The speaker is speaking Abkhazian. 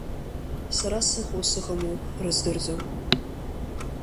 Сара сыҟоу сыҟаму рыздырӡом.